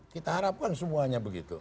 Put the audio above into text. kita harapkan semuanya begitu